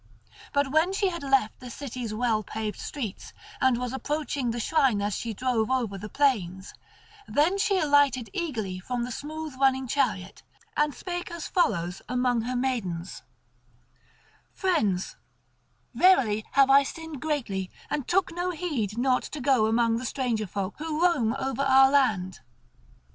But when she had left the city's well paved streets, and was approaching the shrine as she drove over the plains, then she alighted eagerly from the smooth running chariot and spake as follows among her maidens: "Friends, verily have I sinned greatly and took no heed not to go among the stranger folk who roam over our land.